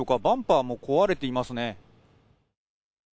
バンパーも壊れていますね。